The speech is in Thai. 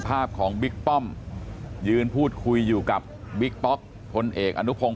ภาพของบิ๊กป้อมยืนพูดคุยอยู่กับบิ๊กป๊อกพลเอกอนุพงศ